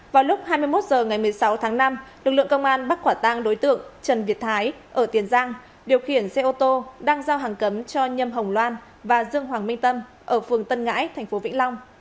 vào lúc hai mươi một h ngày một mươi sáu tháng năm lực lượng công an bắt quả tang đối tượng trần việt thái ở tiền giang điều khiển xe ô tô đang giao hàng cấm cho nhâm hồng loan và dương hoàng minh tâm ở phường tân ngãi thành phố vĩnh long